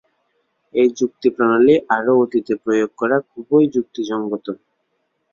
এই যুক্তিপ্রণালী আরও অতীতে প্রয়োগ করা খু্বই যুক্তিসঙ্গত।